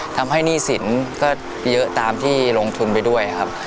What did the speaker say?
หนี้สินก็เยอะตามที่ลงทุนไปด้วยครับ